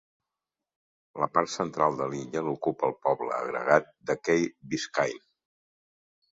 La part central de l'illa l'ocupa el poble agregat de Key Biscayne.